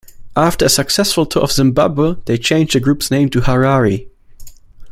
After a successful tour of Zimbabwe they changed the group's name to Harari.